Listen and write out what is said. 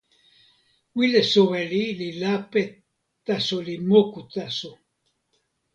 wile soweli li lape taso li moku taso.